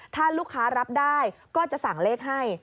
ถ้าลูกค้ารับได้ก็จะสั่งเลขให้